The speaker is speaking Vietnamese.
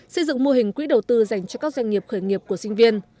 xây dựng mô hình quỹ đầu tư dành cho các doanh nghiệp khởi nghiệp của sinh viên